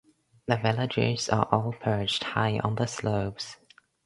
The villages are all perched high on the slopes.